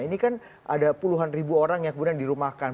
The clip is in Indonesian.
ini kan ada puluhan ribu orang yang kemudian dirumahkan